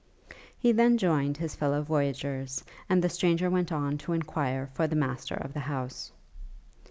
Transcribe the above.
He then joined his fellow voyagers, and the stranger went on to enquire for the master of the house.